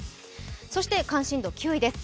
そして関心度９位です。